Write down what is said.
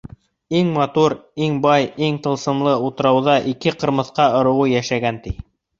Иң матур, иң бай, иң тылсымлы утрауҙа ике ҡырмыҫҡа ырыуы йәшәгән, ти.